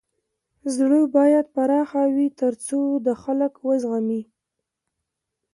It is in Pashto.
زړه بايد پراخه وي تر څو د خلک و زغمی.